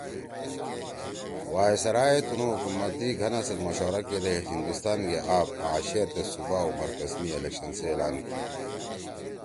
وائسرائے تنُو حکومتی گھنَا سیت مشورا کیدے ہندوستان گے آپ آں شیرتے صوبا او مرکز می الیکشن سی اعلان کی